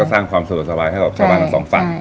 จะสร้างความสะดวกศาบาสให้กับชาวมอนที่กัน